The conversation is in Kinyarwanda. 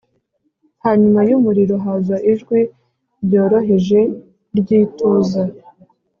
Hanyuma y’umuriro haza ijwi ryoroheje ry’ituza